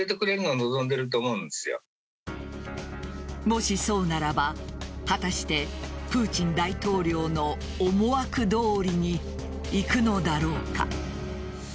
もしそうならば、果たしてプーチン大統領の思惑どおりにいくのだろうか。